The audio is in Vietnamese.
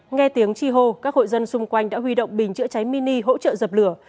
nghe tiếng chi hô các hội dân xung quanh đã huy động bình chữa cháy mini hỗ trợ dập lửa